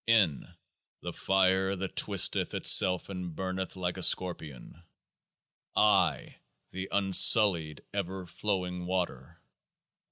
N. the Fire that twisteth itself and burneth like a scorpion. I. the unsullied ever flowing water.